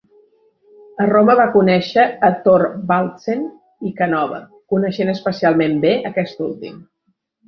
A Roma va conèixer a Thorvaldsen i Canova, coneixent especialment bé aquest últim.